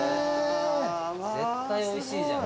絶対おいしいじゃん。